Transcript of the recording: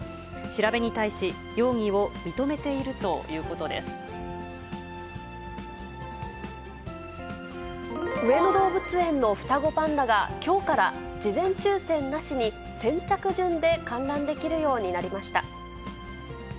調べに対し、上野動物園の双子パンダが、きょうから事前抽せんなしに先着順で観覧できるようになりました。